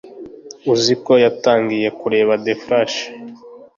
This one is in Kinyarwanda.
uziko yatangiye kureba the flash